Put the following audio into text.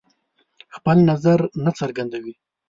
خپل نظر نه څرګندوي.